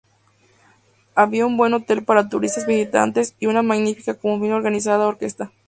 Había un buen hotel para turistas visitantes y una magnífica como bien organizada Orquesta.